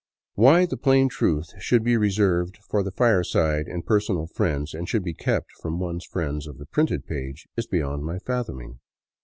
Why the plain truth should be reserved for the fireside and personal friends, and should be kept from one's friends of the printed page, is beyond my fathoming.